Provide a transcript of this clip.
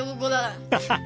アハハハ！